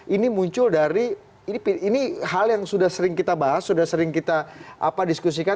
ini muncul dari ini hal yang sudah sering kita bahas sudah sering kita diskusikan